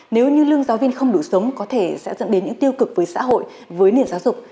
nếu như lương giáo viên không đủ sống có thể sẽ dẫn đến những tiêu cực với xã hội với nền giáo dục